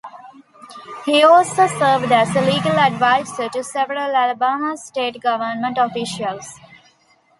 He also served as a legal advisor to several Alabama state government officials.